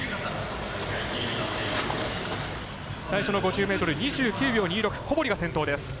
最初の５０ｍ２９秒２６、小堀が先頭です。